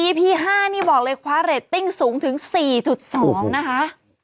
พี๕นี่บอกเลยคว้าเรตติ้งสูงถึง๔๒นะคะ